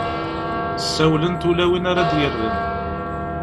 ssawlent ula win ara ad-yerren